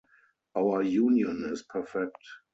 Our union is perfect.